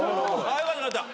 よかったよかった。